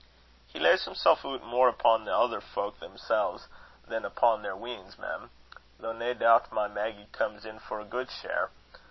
"He lays himsel' oot mair upo' the ither fowk themsels' than upo' their weans, mem; though, nae doubt, my Maggy comes in for a gude share.